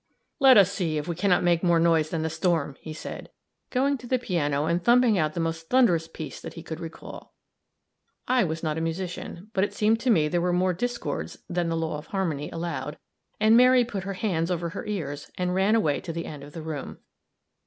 "Let us see if we can not make more noise than the storm," he said, going to the piano and thumping out the most thunderous piece that he could recall. I was not a musician, but it seemed to me there were more discords than the law of harmony allowed; and Mary put her hands over her ears, and ran away to the end of the room.